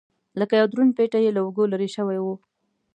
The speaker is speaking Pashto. لکه یو دروند پېټی یې له اوږو لرې شوی و.